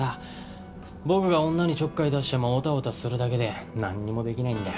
僕が女にちょっかい出してもオタオタするだけでなんにも出来ないんだよ。